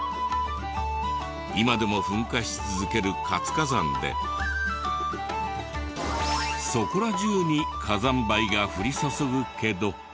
今でも噴火し続ける活火山でそこら中に火山灰が降り注ぐけど。